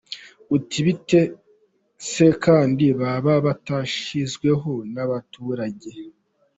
Uti bite se kandi baba batashyizweho n’abaturage?.